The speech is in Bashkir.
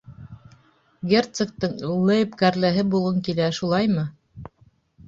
Герцогтың лейб-кәрләһе булғың килә, шулаймы?